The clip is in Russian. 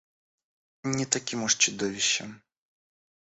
Не таким уж чудовищем.